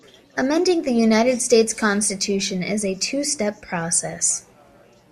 Amending the United States Constitution is a two-step process.